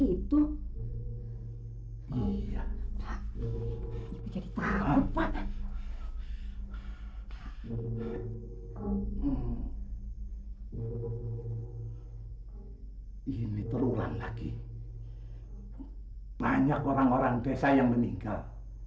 seperti itu oh iya jadi terlupa ini berulang lagi banyak orang orang desa yang meninggal